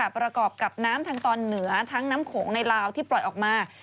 ประกอบกับน้ำทางตอนเหนือทั้งน้ำโขงในลาวที่ปล่อยออกมา